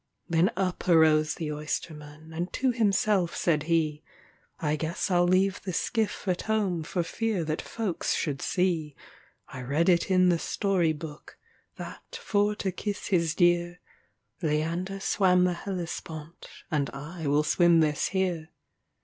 Then up arose the oysterman, and to himself said he, "I guess I 'll leave the skiff at home, for fear that folks should see I read it in the story book, that, for to kiss his dear, Leander swam the Hellespont, and I will swim this here."